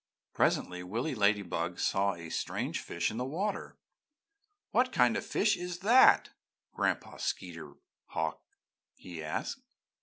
Presently Willy Ladybug saw a strange fish in the water. "What kind of a fish is that, Gran'pa Skeeterhawk?" he asked.